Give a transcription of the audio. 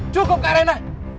cukup kak raina